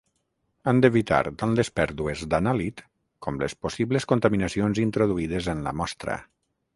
Han d'evitar tant les pèrdues d'anàlit com les possibles contaminacions introduïdes en la mostra.